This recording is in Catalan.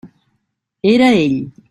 Era ell!